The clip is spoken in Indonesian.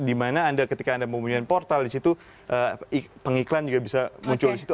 dimana anda ketika anda mempunyai portal di situ pengiklan juga bisa muncul di situ